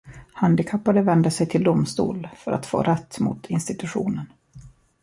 Handikappade vände sig till domstol för att få rätt mot institutionen.